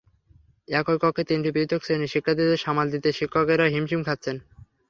একই কক্ষে তিনটি পৃথক শ্রেণির শিক্ষার্থীদের সামাল দিতে শিক্ষকেরা হিমশিম খাচ্ছেন।